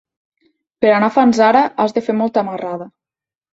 Per anar a Fanzara has de fer molta marrada.